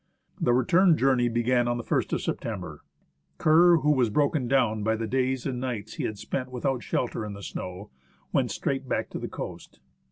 The return journey began on the ist of September. Kerr, who was broken down by the days and nights he had spent without shelter in the snow, went straight back to the coast.